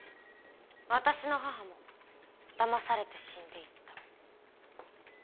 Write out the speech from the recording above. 私の母もだまされて死んで行った。